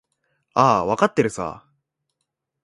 ああ、わかってるさ。